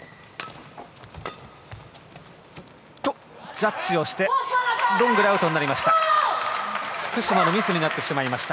ジャッジをしてロングでアウトになりました。